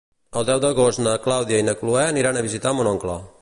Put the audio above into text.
El deu d'agost na Clàudia i na Cloè aniran a visitar mon oncle.